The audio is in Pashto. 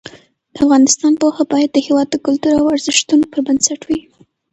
د افغانستان پوهه باید د هېواد د کلتور او ارزښتونو پر بنسټ وي.